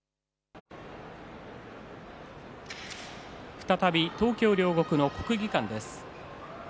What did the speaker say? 再び東京・両国の国技館です。